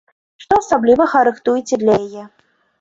Што асаблівага рыхтуеце для яе?